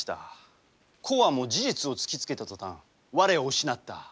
幸庵も事実を突きつけた途端我を失った。